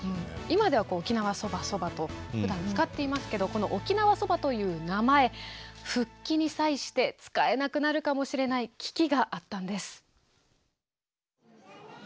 今ではこう「沖縄そば」「そば」とふだん使っていますけどこの「沖縄そば」という名前復帰に際して使えなくなるかもしれない危機があったんです。